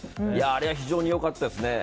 あれは非常に良かったですね。